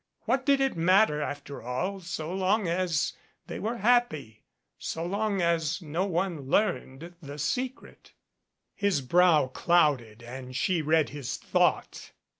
What did it matter, after all, so long as they were happy so long as no one learned the secret. His brow clouded and she read his thought.